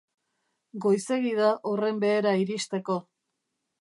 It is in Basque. Goizegi da horren behera iristeko.